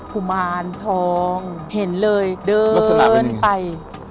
กุมารทองเห็นเลยเดินไป